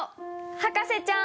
博士ちゃーん！